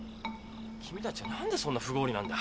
君たちは何でそんな不合理なんだ。